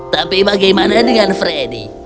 tapi bagaimana dengan freddy